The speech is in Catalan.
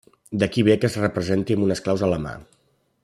D'aquí ve que es representi amb unes claus a la mà.